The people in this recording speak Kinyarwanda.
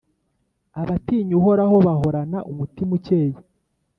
Abatinya Uhoraho bahorana umutima ukeye,